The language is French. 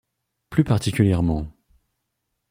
Plus particulièrement,